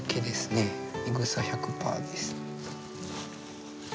いぐさ１００パーです。